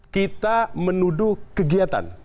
kita menuduh kegiatan